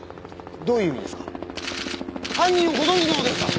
どういう意味ですか？